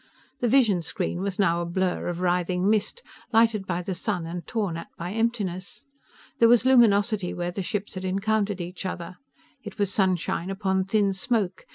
The vision screen was now a blur of writhing mist, lighted by the sun and torn at by emptiness. There was luminosity where the ships had encountered each other. It was sunshine upon thin smoke.